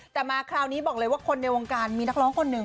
แต่มาคราวนี้บอกเลยว่าคนในวงการมีนักร้องคนหนึ่ง